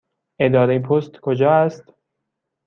اداره پست کجا است؟